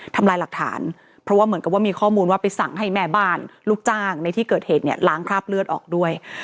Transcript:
ทำลายหลักฐานเพราะว่าเหมือนกับว่ามีข้อมูลว่าไปสั่งให้แม่บ้านลูกจ้างในที่เกิดเหตุเนี่ยล้างคราบเลือดออกด้วย